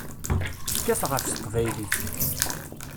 Tekkat ɣef teqbaylit.